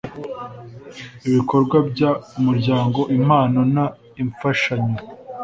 ibikorwa by Umuryango impano n imfashanyo